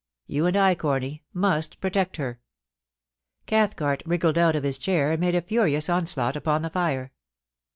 You and I, Corny, must protect her.* Cathcart wriggled out of his chair, and made a furious onslaught upon the fire.